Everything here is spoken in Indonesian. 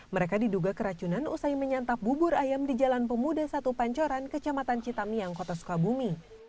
mereka diduga keracunan usai menyantap bubur ayam di jalan pemuda satu pancoran kecamatan citamiang kota sukabumi